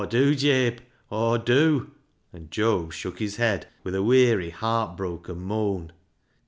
Aw dew, Jabe ! Aw dew !" and Job shook his head with a weary, heartbroken moan.